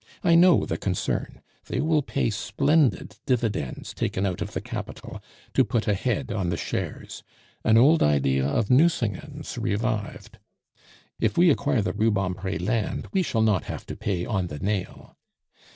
I know the concern; they will pay splendid dividends taken out of the capital, to put a head on the shares an old idea of Nucingen's revived. If we acquire the Rubempre land, we shall not have to pay on the nail.